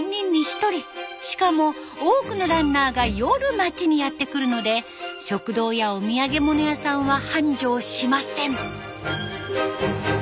しかも多くのランナーが夜町にやって来るので食堂やお土産物屋さんは繁盛しません。